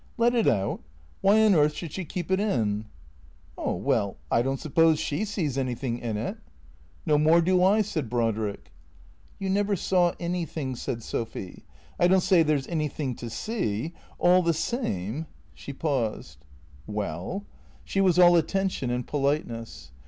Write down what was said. " Let it out? ^^Hiy on earth should she keep it in? "" Oh well, I don't suppose she sees anything in it." " Xo more do I," said Brodrick. " You never saw anything," said Sophy. " I don't say there 's anything to see — all the same " She paused. 493 THE CEEATOES "Well?" He was all attention and politeness.